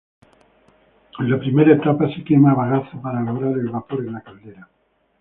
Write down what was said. En la primera etapa se quema bagazo para lograr el vapor en la caldera.